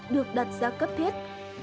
được đặt ra cấp thiết